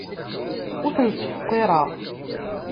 Ur ten-ttfeqqireɣ.